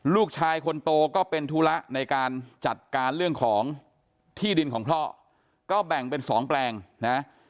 ลูกชายคนโตก็เป็นธุระในการจัดการเรื่องของที่ดินของพ่อก็แบ่งเป็นสองแปลงนะ